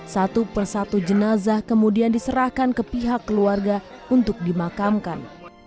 satu persatu jenazah kemudian diserahkan ke pihak keluarga untuk dimakamkan